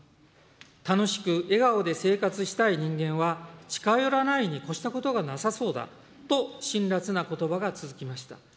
楽しく笑顔で生活したい人間は、近寄らないにこしたことがなさそうだと、辛辣なことばが続きました。